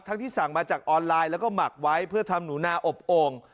ที่สั่งมาจากออนไลน์แล้วก็หมักไว้เพื่อทำหนูนาอบโอ่ง